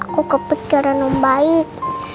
aku kepikiran om baik